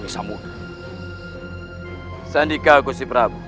sandika agusti prabu